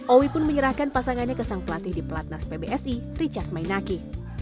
owi pun menyerahkan pasangannya ke sang pelatih di pelatnas pbsi richard mainaki